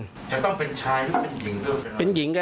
จะต้องเป็นชายหรือเป็นหญิงด้วย